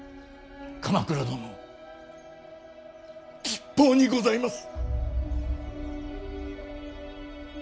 鎌倉殿吉報にございます。